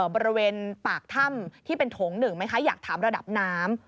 บริเวณปากถ้ำที่เป็นโถงหนึ่งไหมคะอยากถามระดับน้ำ